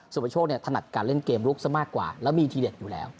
ประโชคเนี่ยถนัดการเล่นเกมลุกซะมากกว่าแล้วมีทีเด็ดอยู่แล้ว